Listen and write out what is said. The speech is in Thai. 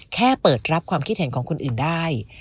แค่เปิดรับความคิดเห็นของคนอื่นได้